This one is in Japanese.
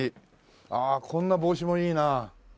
ああこんな帽子もいいなあ。